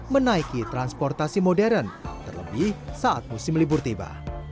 menaiki transportasi modern terlebih saat musim libur tiba